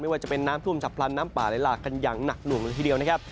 ว่าจะเป็นน้ำท่วมฉับพลันน้ำป่าไหลหลากกันอย่างหนักหน่วงละทีเดียวนะครับ